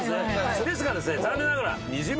ですが残念ながら。